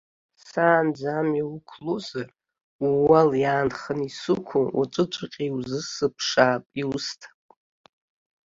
Саанӡа амҩа уқәлозар, ууал, иаанханы исықәу, уаҵәыҵәҟьа иузысԥшаап, иусҭап.